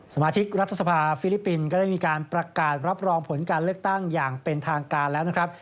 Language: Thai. สมาชิกรัฐสภาฟิลิปปินส์ก็ได้มีการประกาศรับรองผลการเลือกตั้งอย่างเป็นทางการแล้วนะครับ